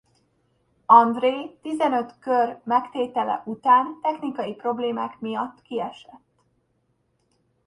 André tizenöt kör megtétele után technikai problémák miatt kiesett.